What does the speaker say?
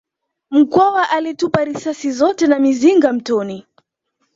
Mkwawa alitupa risasi zote na mizinga mtoni